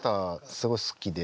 すごい好きで。